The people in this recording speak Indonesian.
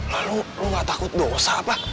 lalu lu gak takut dosa apa